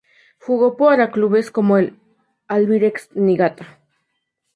Jugó para clubes como el Albirex Niigata.